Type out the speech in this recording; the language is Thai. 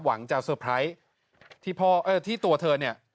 หวังจะเตอร์ไพรส์ที่พ่อที่ตัวเธอเนี่ย